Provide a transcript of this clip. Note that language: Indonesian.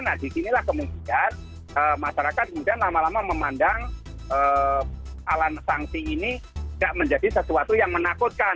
nah disinilah kemudian masyarakat kemudian lama lama memandang alam sanksi ini tidak menjadi sesuatu yang menakutkan